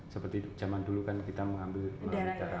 seperti zaman dulu kan kita mengambil melalui darah